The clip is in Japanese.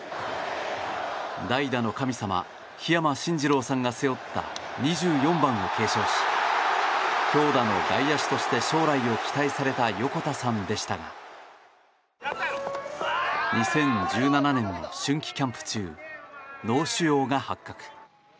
代打の神様桧山進次郎さんが背負った２４番を継承し強打の外野手として将来を期待された横田さんでしたが２０１７年、春季キャンプ中脳腫瘍が発覚。